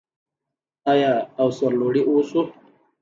آیا او سرلوړي اوسو؟